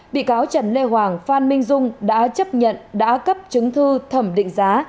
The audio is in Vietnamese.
bị cáo trần lê hoàng phan minh dung đã chấp nhận đã cấp chứng thư thẩm định giá